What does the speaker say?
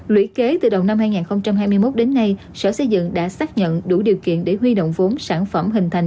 lũy kế từ đầu năm hai nghìn hai mươi một đến nay sở xây dựng đã xác nhận đủ điều kiện để huy động vốn sản phẩm hình thành